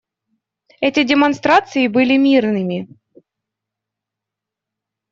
Эти демонстрации были мирными.